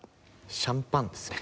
「シャンパン」ですね。